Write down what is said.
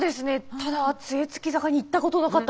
ただ杖衝坂に行ったことなかったです。